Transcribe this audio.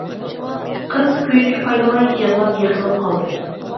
قىز كۆيۈككە پايلىماي يىغلاپ يىقىلىپ قالدى.